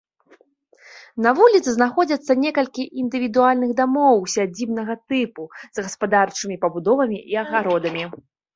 На вуліцы знаходзяцца некалькі індывідуальных дамоў сядзібнага тыпу з гаспадарчымі пабудовамі і агародамі.